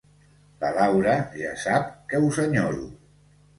La Laura ja sap que us enyoro.